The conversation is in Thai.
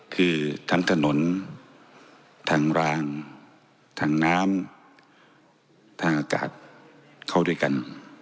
คือทั้งถนนทางรางทางน้ำทางอากาศเข้าด้วยกัน